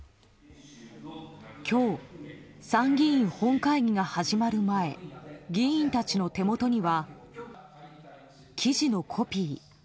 今日、参議院本会議が始まる前議員たちの手元には記事のコピー。